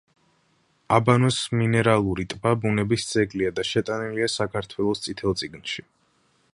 აბანოს მინერალური ტბა ბუნების ძეგლია და შეტანილია საქართველოს „წითელ წიგნში“.